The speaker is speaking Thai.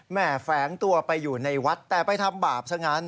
แฝงตัวไปอยู่ในวัดแต่ไปทำบาปซะงั้น